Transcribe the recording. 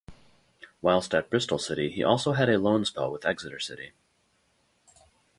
Whilst at Bristol City he also had a loan spell with Exeter City.